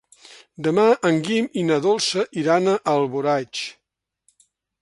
Demà en Guim i na Dolça iran a Alboraig.